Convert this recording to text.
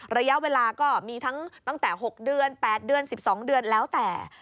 ระยะเวลาก็มีทั้งตั้งแต่๖เดือน๘เดือน๑๒เดือนแล้วแต่